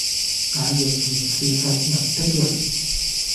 也仍然是喫人的人。